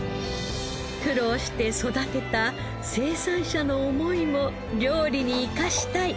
苦労して育てた生産者の思いも料理に生かしたい。